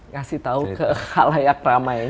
kasih tahu ke halayak ramai